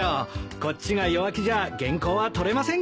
こっちが弱気じゃ原稿は取れませんから。